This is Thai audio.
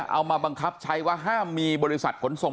เอามาบังคับใช้ว่าห้ามมีบริษัทขนส่ง